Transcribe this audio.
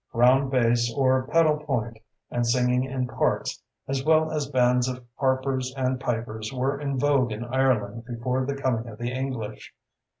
Ground bass, or pedal point, and singing in parts, as well as bands of harpers and pipers, were in vogue in Ireland before the coming of the English.